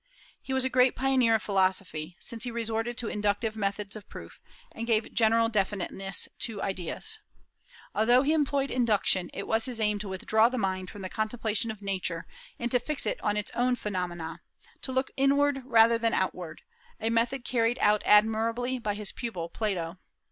He was a great pioneer of philosophy, since he resorted to inductive methods of proof, and gave general definiteness to ideas. Although he employed induction, it was his aim to withdraw the mind from the contemplation of Nature, and to fix it on its own phenomena, to look inward rather than outward; a method carried out admirably by his pupil Plato.